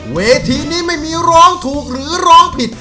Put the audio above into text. เวทีนี้ไม่มีร้องถูกหรือร้องผิด